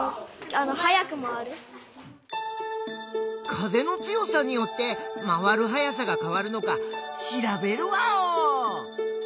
風の強さによって回るはやさがかわるのかしらべるワオー！